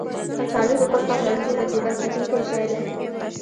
کچالو د کور پخلنځي نه جدا کېدونکی شی دی